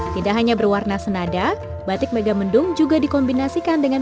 tidak hanya berwarna senada batik megamendung juga dikombinasikan dengan